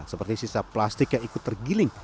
seperti sisa plastik yang ikut tergiling